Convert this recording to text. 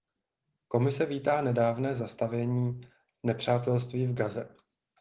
Komise vítá nedávné zastavění nepřátelství v Gaze.